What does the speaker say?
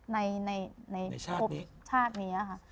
ในชาตินี้ชาตินี้ฮะ